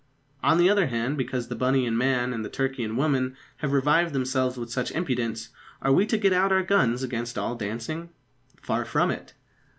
On the other hand, because the bunny in man and the turkey in woman have revived themselves with such impudence, are we to get out our guns against all dancing? Far from it.